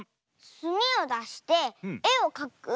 すみをだしてえをかく？